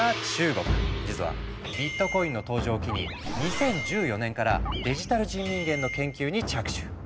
実はビットコインの登場を機に２０１４年からデジタル人民元の研究に着手。